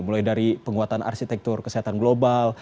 mulai dari penguatan arsitektur kesehatan global